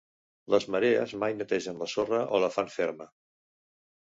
Les marees mai netegen la sorra o la fan ferma.